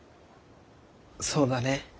そうだね。